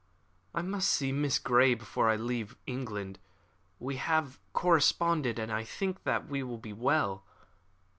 "I must see Miss Grey before I leave England. We have corresponded, and I think that all will be well.